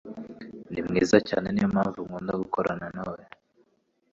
Ni mwiza cyane, niyo mpamvu nkunda gukorana nawe.